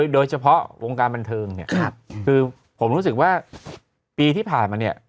โดยเฉพาะวงการบันเทิงเนี่ยคือผมรู้สึกว่าปีที่ผ่านมาเนี่ย